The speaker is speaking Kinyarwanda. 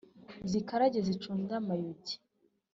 Zikarage zicunde amayugi